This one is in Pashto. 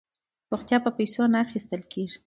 روغتیا په پیسو نه اخیستل کیږي.